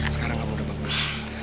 sekarang kamu udah bangun